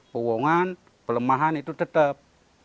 pewongan pelemahan itu tetap